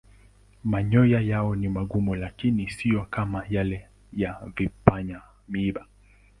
Manyoya yao ni magumu lakini siyo kama yale ya vipanya-miiba.